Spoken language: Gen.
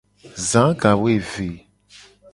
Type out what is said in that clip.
Za gawoeve.